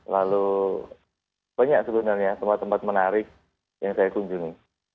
lalu banyak sebenarnya tempat tempat menarik yang saya kunjungi